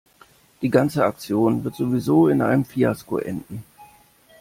Die ganze Aktion wird sowieso in einem Fiasko enden.